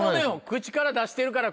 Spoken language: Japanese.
口から出してるから。